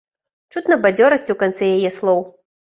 Чутна бадзёрасць у канцы яе слоў.